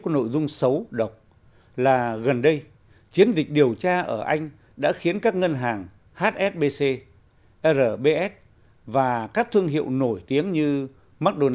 nội dung xấu độc là gần đây chiến dịch điều tra ở anh đã khiến các ngân hàng hsbc rbs và các thương hiệu nổi tiếng như mcdonald s